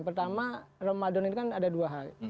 pertama ramadan ini kan ada dua hal